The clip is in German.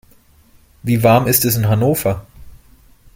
Wie warm ist es in Hannover?